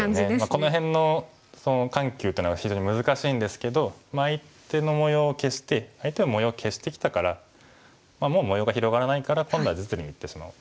この辺の緩急っていうのは非常に難しいんですけど相手の模様を消して相手も模様を消してきたからもう模様が広がらないから今度は実利に打ってしまおう。